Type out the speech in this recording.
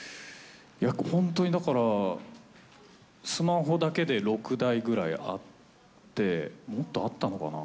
本当にだから、スマホだけで６台ぐらいあって、もっとあったのかな？